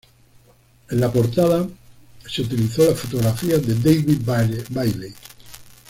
En la portada se utilizó la fotografía de David Bailey.